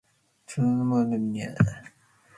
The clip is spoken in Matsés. tsundan menied ne?